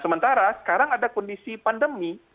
sementara sekarang ada kondisi pandemi